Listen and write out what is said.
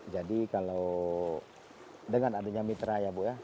jadi kalau dengan adanya mitra ya bu ya